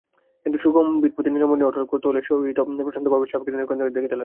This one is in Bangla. কিন্তু, সুগম্ভীরপ্রকৃতি নীলমণি অটল কৌতূহলের সহিত প্রশান্তভাবে সাহেবকে নিরীক্ষণ করিয়া দেখিতে লাগিল।